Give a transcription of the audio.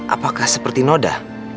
apakah seperti noda